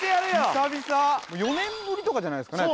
久々４年ぶりとかじゃないですかね